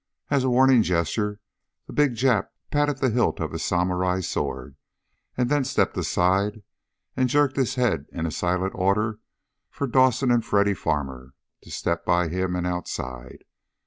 As a warning gesture the big Jap patted the hilt of his samurai sword, and then stepped aside and jerked his head in a silent order for Dawson and Freddy Farmer to step by him and outside.